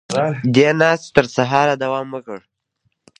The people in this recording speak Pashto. دې ناستې تر سهاره دوام وکړ.